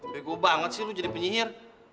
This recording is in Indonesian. bego banget sih lo jadi penyihir